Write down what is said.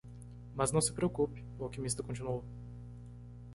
"Mas não se preocupe?" o alquimista continuou.